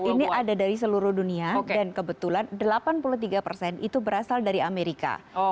ini ada dari seluruh dunia dan kebetulan delapan puluh tiga persen itu berasal dari amerika